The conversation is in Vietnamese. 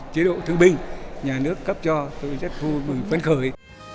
chế độ thương binh nhà nước cấp cho tôi rất vui vui khuyến khởi